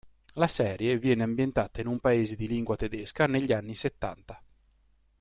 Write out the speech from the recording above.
La serie viene ambientata in un paese di lingua tedesca negli anni settanta.